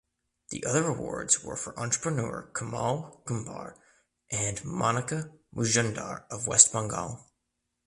The other awards were for entrepreneur Kamal Kumbhar and Monika Majumdar of West Bengal.